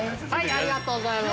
◆ありがとうございます。